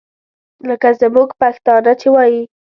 لکه زموږ پښتانه چې وایي.